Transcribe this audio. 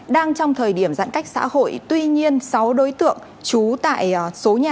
đang trong thời điểm giãn cách xã hội tuy nhiên sáu đối tượng trú tại số nhà